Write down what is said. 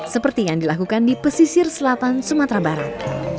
seperti yang dilakukan di pesisir selatan sumatera barat